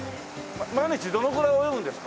毎日どのぐらい泳ぐんですか？